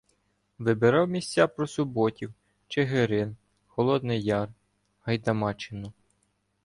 Вибирав місця про Суботів, Чигирин, Холодний Яр, Гайдамаччину.